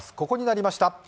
ここになりました。